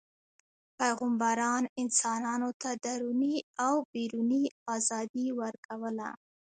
پیغمبران انسانانو ته دروني او بیروني ازادي ورکوله.